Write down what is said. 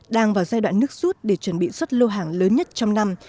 đang vào giai đoạn nước rút để chuẩn bị xuất lô hàng lớn nhất trong năm